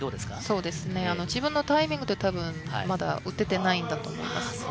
自分のタイミングで撃ててないんだと思います。